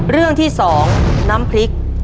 เรื่องที่๒น้ำพริก